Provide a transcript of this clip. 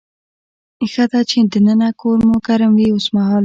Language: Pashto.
ښه ده چې دننه کور مو ګرم وي اوسمهال.